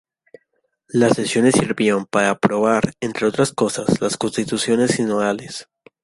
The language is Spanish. Las sesiones sirvieron para aprobar entre otras cosas las constituciones sinodales.